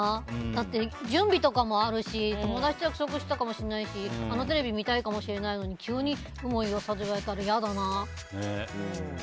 だって準備とかもあるし、友達と約束していたかもしれないしあのテレビ見たいかもしれないのに急に有無を言わさず言われたら嫌だな。